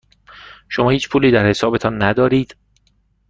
شما هیچ پولی در حسابتان ندارید.